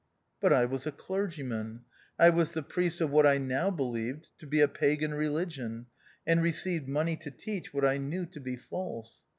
But I was a clergyman. I was the priest of what I now believed to be a pagan reli gion, and received money to teach what I knew to be false.